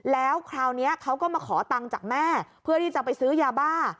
แล้วคราวนี้เขาก็มาขอตังค์จากแม่เพื่อที่จะไปซื้อยาบ้า